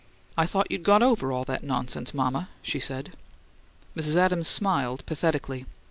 "I thought you'd got over all that nonsense, mama," she said. Mrs. Adams smiled, pathetically.